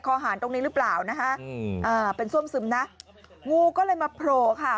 หารตรงนี้หรือเปล่านะคะอืมอ่าเป็นซ่วมซึมนะงูก็เลยมาโผล่ค่ะ